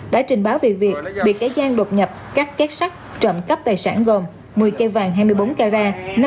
đã trình báo về việc bị cái gian đột nhập các két sắt trộm cắp tài sản gồm một mươi cây vàng hai mươi bốn carat